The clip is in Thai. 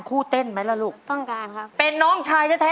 มึงก็เลี้ยงนกเป็นแจอกเทศกอดได้